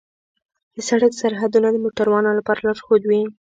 د سړک سرحدونه د موټروانو لپاره لارښود وي.